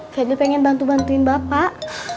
febri pengen bantu bantuin bapak